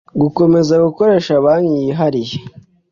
gukomeza gukoresha banki yihariye